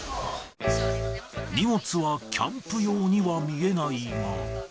荷物はキャンプ用には見えないが。